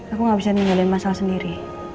aku gak bisa ninggalin masalah sendiri